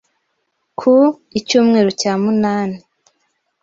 ku Icyumweru cya munani